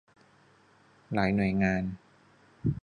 หลายหน่วยงาน